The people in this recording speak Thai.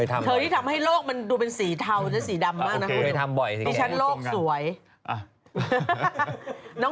เธอนี่ทำให้โลกมันดูเป็นสีเทาและสีดำมากนะ